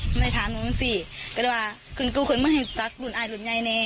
มึงเลยถามมึงสิก็เลยว่าคุณกูคือมึงให้สักหลุ่นอายหลุ่นใหญ่แน่